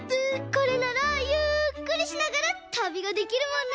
これならゆっくりしながらたびができるもんね！